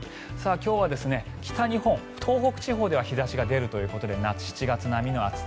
今日は北日本、東北地方では日差しが出るということで７月並みの暑さ。